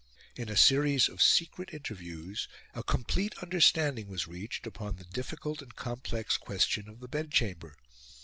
In a series of secret interviews, a complete understanding was reached upon the difficult and complex question of the Bedchamber.